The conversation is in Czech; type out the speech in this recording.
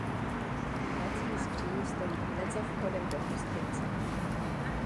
Hrací skříň stojí hned za vchodem do hostince.